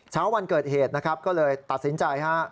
เช้าวันเกิดเหตุนะครับก็เลยตัดสินใจฮะ